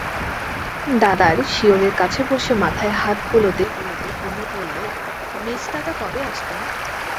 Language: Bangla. দাদার শিয়রের কাছে বসে মাথায় হাত বুলোতে বুলোতে কুমু বললে, মেজদাদা কবে আসবেন?